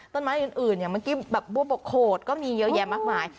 ต้นไม้อื่นอย่างเมื่อกี้แบบบัวบอกโขดก็มีเยอะแยะมากมาย